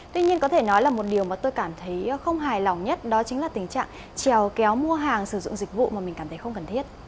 tuy nhiên có thể nói là một điều mà tôi cảm thấy không hài lòng nhất đó chính là tình trạng trèo kéo mua hàng sử dụng dịch vụ mà mình cảm thấy không cần thiết